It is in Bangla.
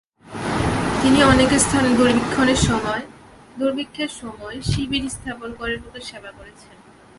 তিনি অনেক স্থানে দুর্ভিক্ষের সময় শিবির স্থাপন করে লোকের সেবা করেছেন।